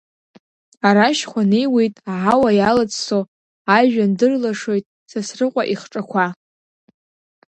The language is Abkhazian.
Арашь-хәа неиуеит аҳауа иалаӡсо, ажәҩан дырлашоит Сасрыҟәа ихҿақәа.